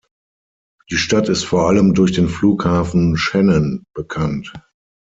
Die Stadt ist vor allem durch den Flughafen Shannon bekannt.